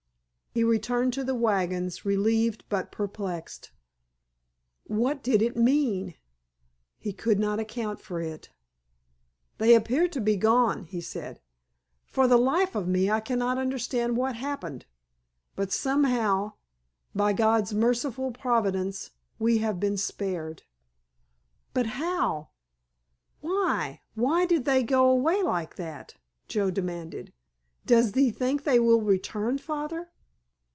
He returned to the wagons relieved but perplexed. What did it mean? He could not account for it. "They appear to be gone," he said. "For the life of me I cannot understand what happened, but somehow, by God's merciful providence, we have been spared." "But how—why—why did they go away like that?" Joe demanded. "Does thee think they will return, Father?"